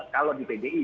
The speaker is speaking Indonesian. kalau di pdi